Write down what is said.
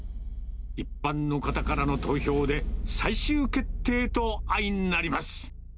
一般の方からの投票で、最終決定とあいなります。